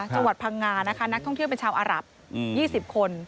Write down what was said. จังหวัดพังงานะคะนักท่องเที่ยวเป็นชาวอารับ๒๐คน